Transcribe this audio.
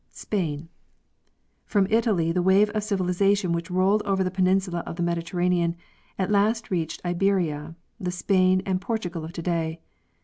Spain. From Italy the wave of civilization which rolled over the peninsulas of the Mediterranean at last reached Iberia—the Spain and Portugal of today.